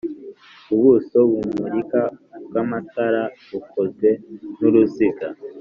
Ubuso bumurika bw'amatara bukozwe n'uruziga